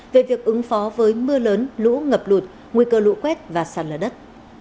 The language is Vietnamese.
về việc ứng phó với mưa lớn lũ ngập lụt nguy cơ lũ quét và sạt lở đất